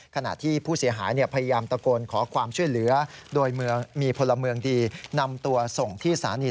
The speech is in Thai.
ขณะที่ผู้เสียหายพยายามตะโกนขอความช่วยเหลือโดยมีพลเมืองดีนำตัวส่งที่สถานี